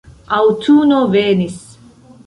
Aŭtuno venis.